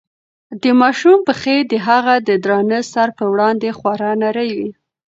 د ماشوم پښې د هغه د درانه سر په وړاندې خورا نرۍ وې.